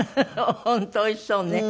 本当おいしそうね。